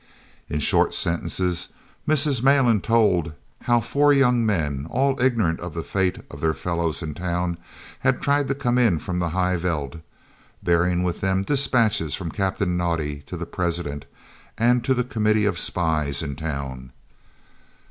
In short sentences Mrs. Malan told how four young men, all ignorant of the fate of their fellows in town, had tried to come in from the High Veld, bearing with them dispatches from Captain Naudé to the President and to the Committee of spies in town.